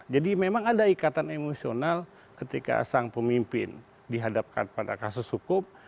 jadi memang ada ikatan emosional ketika sang pemimpin dihadapkan pada kasus hukum